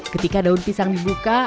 ketika daun pisang dibuka